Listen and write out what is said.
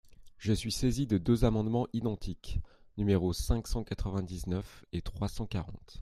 Je suis saisi de deux amendements identiques, numéros cinq cent quatre-vingt-dix-neuf et trois cent quarante.